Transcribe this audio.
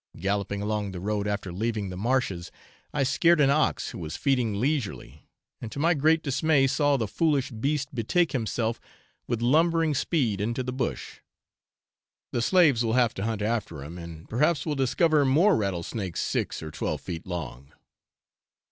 Galloping along the road after leaving the marshes, I scared an ox who was feeding leisurely, and to my great dismay saw the foolish beast betake himself with lumbering speed into the 'bush:' the slaves will have to hunt after him, and perhaps will discover more rattlesnakes six or twelve feet long.